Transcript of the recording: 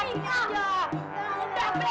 udah betul pak